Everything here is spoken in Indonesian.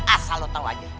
asal lo tau aja